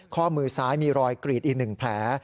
ข้อมือซ้ายมีรอยกรีดอีก๑แผล